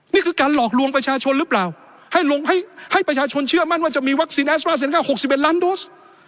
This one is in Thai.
นี่คือการหลอกลวงประชาชนหรือเปล่าให้ลงให้ให้ประชาชนเชื่อมั่นว่าจะมีวัคซีนแอสตราเซนกัล๖๑ล้านโดส